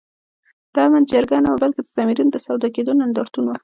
د آمن جرګه نه وه بلکي د ضمیرونو د سودا کېدو نندارتون وو